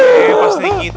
wih pasti gitu